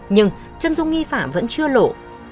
nhưng chân dung nghi phạm vẫn chưa lộ